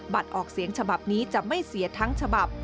ออกเสียงฉบับนี้จะไม่เสียทั้งฉบับ